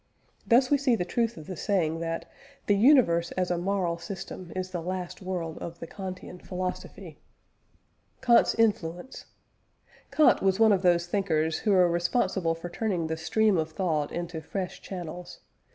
Thus we see the truth of the saying that "The universe as a moral system is the last word of the Kantian philosophy." KANT'S INFLUENCE. Kant was one of those thinkers who are responsible for turning the stream of thought into fresh channels.